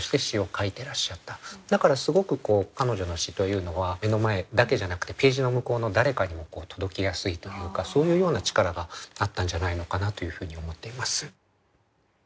だからすごく彼女の詩というのは目の前だけじゃなくてページの向こうの誰かに届けやすいというかそういうような力があったんじゃないのかなというふうに思っています。